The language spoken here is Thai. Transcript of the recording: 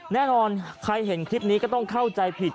แน่นอนใครเห็นคลิปนี้ก็ต้องเข้าใจผิด